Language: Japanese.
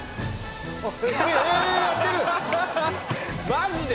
マジで？